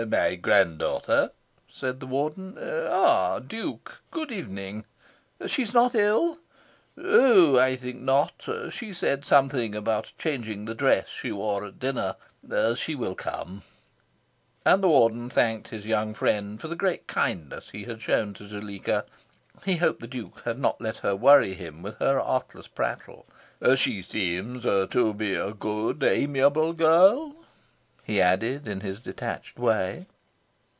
"My grand daughter?" said the Warden. "Ah, Duke, good evening." "She's not ill?" "Oh no, I think not. She said something about changing the dress she wore at dinner. She will come." And the Warden thanked his young friend for the great kindness he had shown to Zuleika. He hoped the Duke had not let her worry him with her artless prattle. "She seems to be a good, amiable girl," he added, in his detached way.